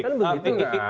kan begitu ya